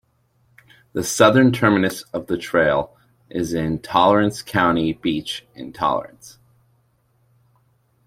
The southern terminus of the trail is in Torrance County Beach in Torrance.